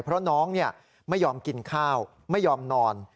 เพราะน้องไม่ยอมกินข้าวไม่ยอมนอน